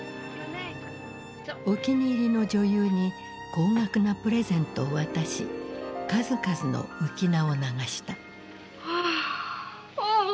お気に入りの女優に高額なプレゼントを渡し数々の浮き名を流した。